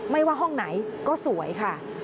ไม่ว่าห้องไหนก็สวยค่ะ